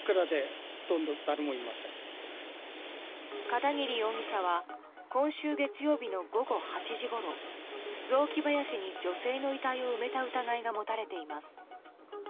片桐容疑者は今週月曜日の午後８時ごろ雑木林に女性の遺体を埋めた疑いが持たれています。